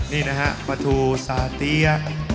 นี่นะฮะปลาทูซาเตี้ย